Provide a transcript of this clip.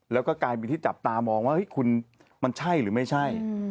แล้วก็กลายเป็นที่จับตามองว่าคุณมันใช่หรือไม่ใช่